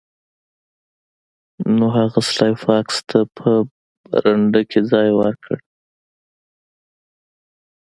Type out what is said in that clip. نو هغه سلای فاکس ته په برنډه کې ځای ورکړ